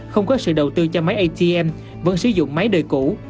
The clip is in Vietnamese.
không có sự đầu tư cho máy atm vẫn sử dụng máy đời cũ